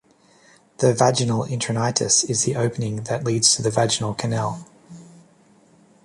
The vaginal introitus is the opening that leads to the vaginal canal.